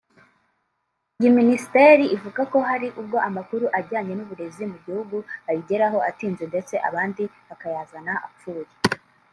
Iyi Minisiteri ivuga ko hari ubwo amakuru ajyanye n’uburezi mu gihugu ayigeraho atinze ndetse abandi bakayazana apfuye